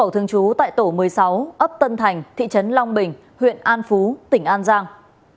thường trú tại tổ một mươi sáu ấp tân thành thị trấn long bình huyện an phú tỉnh an giang